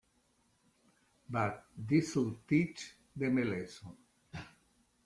But this'll teach them a lesson.